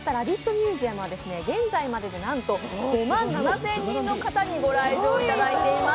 ミュージアムは現在までで、なんと５万７０００人の方にご来場いただいております。